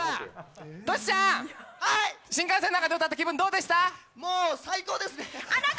トシちゃん、新幹線の中で歌った気分はどうでした？